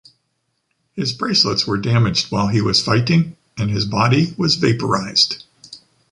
His bracelets were damaged while he was fighting, and his body was vaporized.